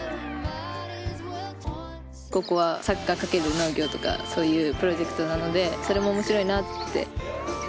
ここはサッカー×農業とかそういうプロジェクトなのでそれもおもしろいなって。